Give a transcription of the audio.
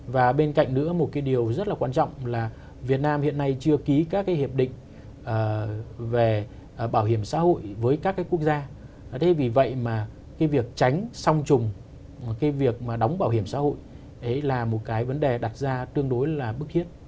và bên cạnh nữa một cái điều rất là quan trọng là việt nam hiện nay chưa ký các cái hiệp định về bảo hiểm xã hội với các cái quốc gia thế vì vậy mà cái việc tránh song trùng cái việc mà đóng bảo hiểm xã hội là một cái vấn đề đặt ra tương đối là bức thiết